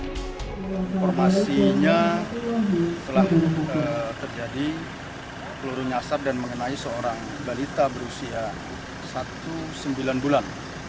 informasinya telah terjadi peluru nyasar dan mengenai seorang balita berusia satu sembilan bulan